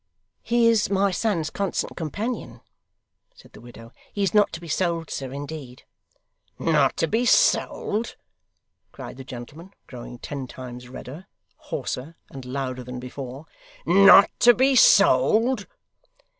'He is my son's constant companion,' said the widow. 'He is not to be sold, sir, indeed.' 'Not to be sold!' cried the gentleman, growing ten times redder, hoarser, and louder than before. 'Not to be sold!